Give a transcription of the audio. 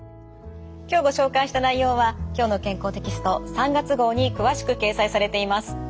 今日ご紹介した内容は「きょうの健康」テキスト３月号に詳しく掲載されています。